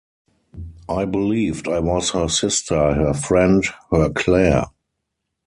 I believed I was her sister, her friend, her Claire.